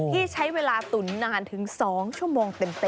ที่ใช้เวลาตุ๋นนานถึง๒ชั่วโมงเต็ม